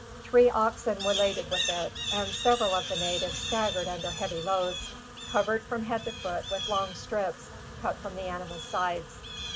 Three oxen were laden with it, and several of the natives staggered under heavy loads, covered from head to foot with long strips cut from the animal's sides.